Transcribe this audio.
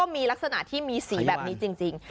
มีลักษณะที่มีสีแบบนี้จริง